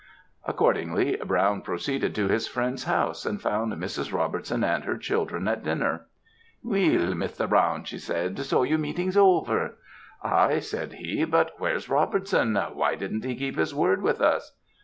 "Accordingly, Brown proceeded to his friend's house, and found Mrs. Robertson and her children at dinner. "'Weel," Mr. Brown,' she said, 'so your meeting's over.' "'Aye,' said he, 'but where's Robertson? Why didn't he keep his word with us?'